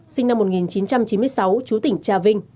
sinh năm một nghìn chín trăm chín mươi sáu chú tỉnh trà vinh